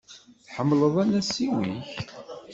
Tḥemmleḍ anasiw-ik?